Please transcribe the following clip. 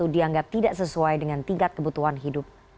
dua ribu dua puluh satu dianggap tidak sesuai dengan tingkat kebutuhan hidup